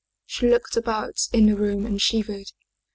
She looked about in the room and shivered.